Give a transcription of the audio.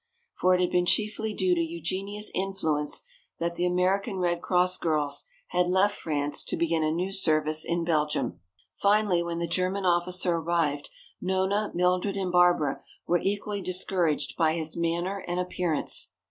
For it had been chiefly due to Eugenia's influence that the American Red Cross girls had left France to begin a new service in Belgium. Finally, when the German officer arrived, Nona, Mildred and Barbara were equally discouraged by his manner and appearance.